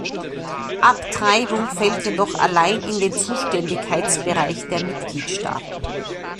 Abtreibung fällt jedoch allein in den Zuständigkeitsbereich der Mitgliedstaaten.